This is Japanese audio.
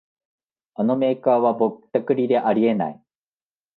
あのメーカーはぼったくりであり得ない